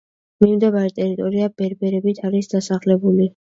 მიმდებარე ტერიტორია ბერბერებით არის დასახლებული.